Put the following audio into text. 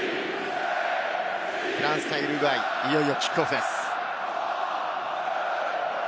フランス対ウルグアイ、いよいよキックオフです。